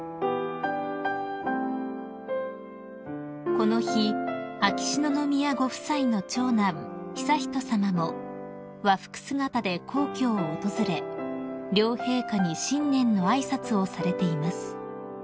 ［この日秋篠宮ご夫妻の長男悠仁さまも和服姿で皇居を訪れ両陛下に新年の挨拶をされています］